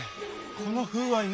この風合い